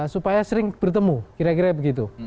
supaya sering bertemu kira kira begitu